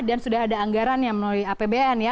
dan sudah ada anggaran yang menolih apbn ya